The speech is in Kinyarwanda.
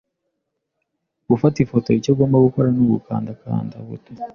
Gufata ifoto, icyo ugomba gukora nukanda kanda buto.